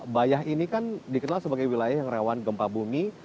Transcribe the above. bayah ini kan dikenal sebagai wilayah yang rawan gempa bumi